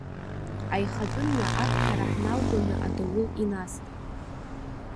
Аихатәы-мҩа аԥхьара ҳналгоны адаул инаст.